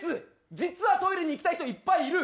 実はトイレに行きたい人いっぱいいる。